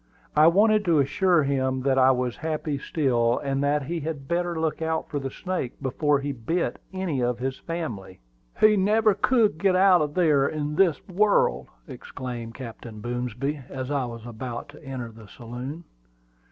I wanted to assure him that I was happy still, and that he had better look out for the snake before he bit any of his family. "He never could get out of there in this world!" exclaimed Captain Boomsby, as I was about to enter the saloon.